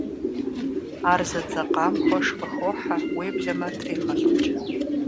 Ар зэдзэкъам хуэш къыхохьэ, уеблэмэ трегъэлIыкI.